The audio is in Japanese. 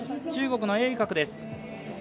中国の栄格です。